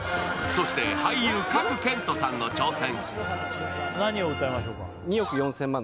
そして俳優・賀来賢人さんの挑戦。